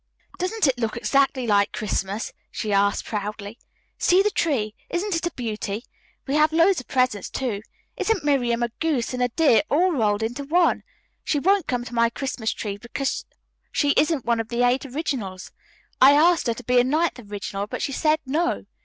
"Doesn't it look exactly like Christmas?" she asked proudly. "See the tree. Isn't it a beauty? We have loads of presents, too. Isn't Miriam a goose and a dear all rolled into one? She won't come to my Christmas tree because she isn't one of the Eight Originals. I asked her to be a Ninth Original, but she said 'No.'